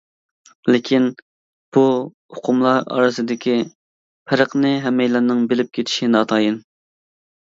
لېكىن بۇ ئۇقۇملار ئارىسىدىكى پەرقنى ھەممەيلەننىڭ بىلىپ كېتىشى ناتايىن.